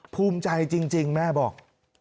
ภูมิใจจริงแม่บอก